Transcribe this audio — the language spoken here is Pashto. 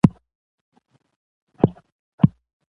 غزني د افغانستان په خورا اوږده او لرغوني تاریخ کې ذکر دی.